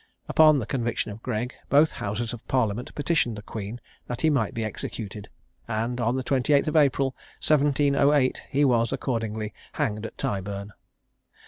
Upon the conviction of Gregg, both houses of parliament petitioned the Queen that he might be executed; and, on the 28th April, 1708, he was accordingly hanged at Tyburn.